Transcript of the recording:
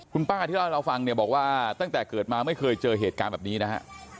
คุณป้าที่เล่าให้เราฟังเนี่ยบอกว่าตั้งแต่เกิดมาไม่เคยเจอเหตุการณ์แบบนี้นะฮะ